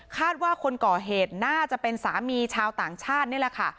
ว่าคนก่อเหตุน่าจะเป็นสามีชาวต่างชาตินี่แหละค่ะ